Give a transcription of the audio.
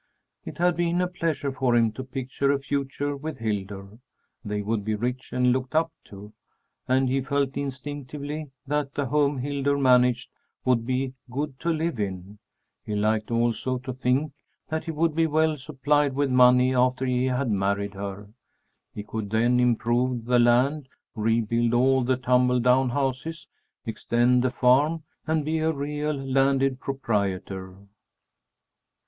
It had been a pleasure for him to picture a future with Hildur. They would be rich and looked up to, and he felt instinctively that the home Hildur managed would be good to live in. He liked also to think that he would be well supplied with money after he had married her. He could then improve the land, rebuild all the tumble down houses, extend the farm, and be a real landed proprietor.